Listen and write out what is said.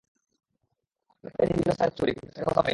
আমরা রাতেই বিভিন্ন স্থানে তার খোঁজ করি, কিন্তু তাকে কোথাও পাইনি।